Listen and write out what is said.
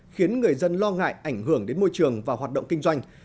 khiến người dân lo ngại ảnh hưởng đến môi trường và hoạt động kinh doanh